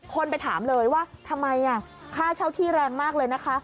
คนไปถามเลยว่าทำไมค่าเช่าที่แรงมากเลยนะคะ